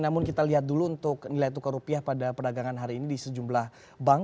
namun kita lihat dulu untuk nilai tukar rupiah pada perdagangan hari ini di sejumlah bank